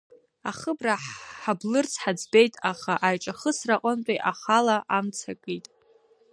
Ахыбра ҳаблырц ҳаӡбеит, аха аиҿахысра аҟынтәи ахала амца акит.